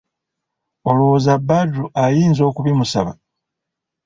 Olowooza Badru ayinza okubimusaba?